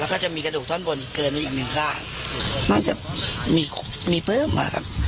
แล้วก็จะมีกระดูกท่อนบนเกินไว้อีกหนึ่งซากน่าจะมีมีปลื้มอ่ะครับ